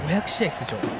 出場。